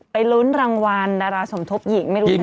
ไปรุ้นรางวัลดาราสมทบหยิงไม่รู้จะได้ไง